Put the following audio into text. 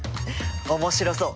面白そう！